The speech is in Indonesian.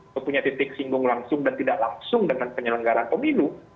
mempunyai titik singgung langsung dan tidak langsung dengan penyelenggaran pemilu